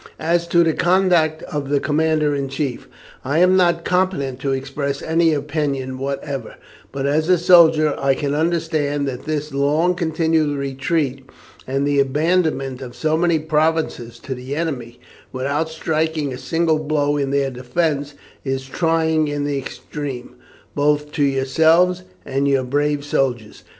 As to the conduct of the commander in chief, I am not competent to express any opinion whatever, but as a soldier I can understand that this long continued retreat and the abandonment of so many provinces to the enemy, without striking a single blow in their defence, is trying in the extreme, both to yourselves and your brave soldiers.